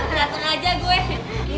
dateng aja gue